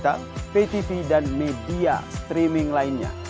dan ada yang berkoneksi dengan yang lainnya